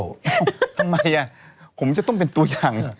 ทำไมอ่ะผมจะต้องเป็นตัวอย่าง